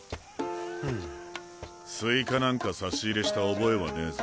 スイカなんか差し入れした覚えはねぇぞ。